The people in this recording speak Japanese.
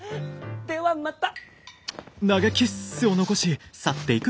ではまた！